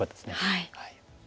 はい。